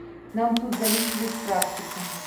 Нам тут залічваюць практыку.